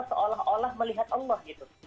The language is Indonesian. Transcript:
seolah olah melihat allah gitu